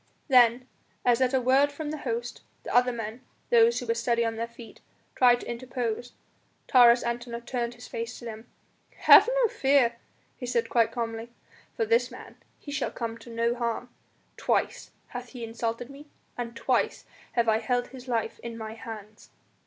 Then as at a word from the host, the other men those who were steady on their feet tried to interpose, Taurus Antinor turned his face to them. "Have no fear," he said quite calmly, "for this man. He shall come to no harm. Twice hath he insulted me and twice have I held his life in my hands."